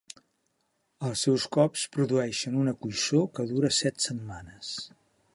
Els seus cops produeixen una coïssor que dura set setmanes.